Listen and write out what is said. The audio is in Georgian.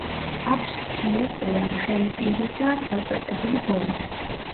აქვს სქელი ყუა, თხელი პირი და წაწვეტებული ბოლო.